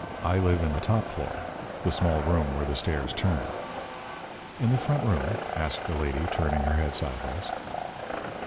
"I live in the top floor the small room where the stairs turn." "In the front room?" asked the lady, turning her head sidewise.